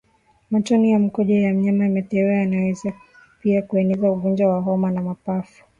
Matone ya mkojo wa mnyama aliyeathirika yanaweza pia kueneza ugonjwa wa homa ya mapafu